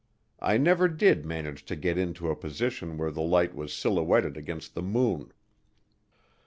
I never did manage to get into a position where the light was silhouetted against the moon.